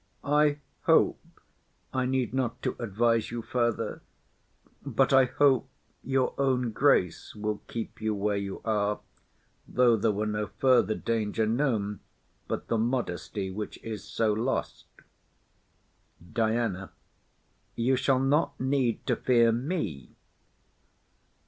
I hope I need not to advise you further; but I hope your own grace will keep you where you are, though there were no further danger known but the modesty which is so lost. DIANA. You shall not need to fear me.